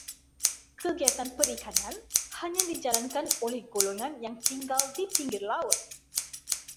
Kegiatan perikanan hanya dijalankan oleh golongan yang tinggal di pinggir laut.